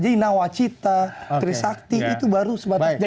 jadi nawacita trisakti itu baru sebatas